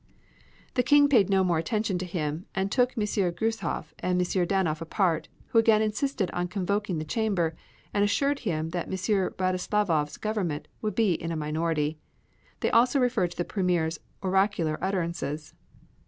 The King paid no more attention to him, and took M. Gueshoff and M. Danoff apart, who again insisted on convoking the Chamber, and assured him that M. Radoslavoff's government would be in a minority. They also referred to the Premier's oracular utterances.